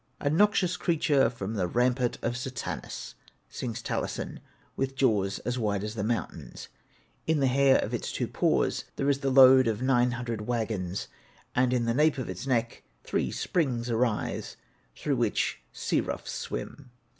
'A noxious creature from the rampart of Satanas,' sings Taliesin; with jaws as wide as mountains; in the hair of its two paws there is the load of nine hundred waggons, and in the nape of its neck three springs arise, through which sea roughs swim.